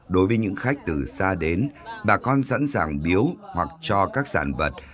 đối với những khách từ xa đến bà con sẵn sàng biếu hoặc cho các sản vật